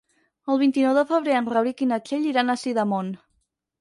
El vint-i-nou de febrer en Rauric i na Txell iran a Sidamon.